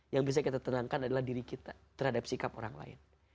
yang bisa kita tenangkan adalah diri kita terhadap sikap orang lain